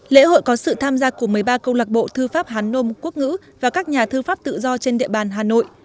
lễ hội có sự tham gia của một mươi ba câu lạc bộ thư pháp hàn nôm quốc ngữ và các nhà thư pháp tự do trên địa bàn hà nội